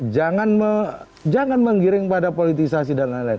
jangan menggiring pada politisasi dan lain lain